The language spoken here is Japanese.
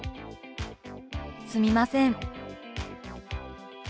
「すみません」。